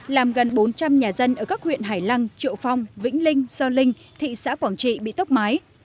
làm gần bốn trăm linh nhà dân ở các huyện hải lăng triệu phong vĩnh linh do linh thị xã quảng trị bị tốc mái